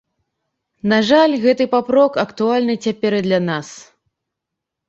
На жаль, гэты папрок актуальны цяпер і для нас.